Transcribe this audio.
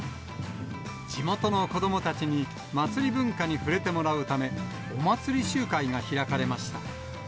地元の子どもたちに祭り文化に触れてもらうため、お祭り集会が開かれました。